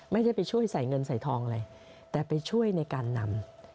ไม่ได้ไปช่วยใส่เงินใส่ทองอะไรแต่ไปช่วยในการนำ